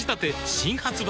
新発売